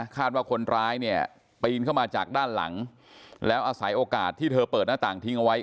คาดว่าคนร้ายเนี่ยปีนเข้ามาจากด้านหลังแล้วอาศัยโอกาสที่เธอเปิดหน้าต่างทิ้งเอาไว้